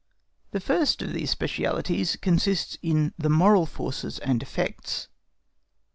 The first of these specialities consists in the moral forces and effects.